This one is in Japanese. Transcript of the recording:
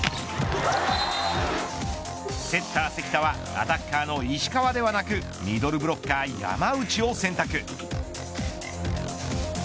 セッター関田はアタッカーの石川ではなくミドルブロッカー山内を選択。